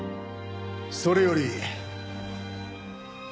それより。